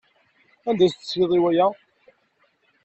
Anda i d as-tesliḍ i waya?